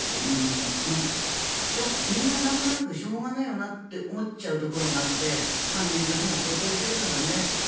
みんな、なんとなくしょうがないよなって思っちゃうところがあって燃料費が高騰してるからねって。